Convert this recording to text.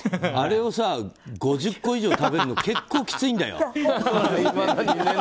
あれを５０個以上食べるのって結構きついんだよ。